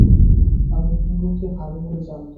আমি বুড়োকে ভালো বলে জানতুম।